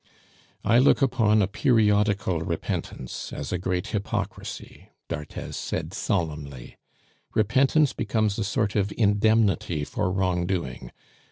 "I look upon a periodical repentance as great hypocrisy," d'Arthez said solemnly; "repentance becomes a sort of indemnity for wrongdoing.